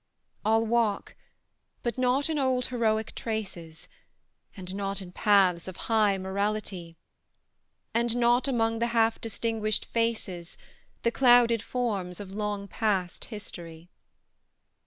I'll walk, but not in old heroic traces, And not in paths of high morality, And not among the half distinguished faces, The clouded forms of long past history.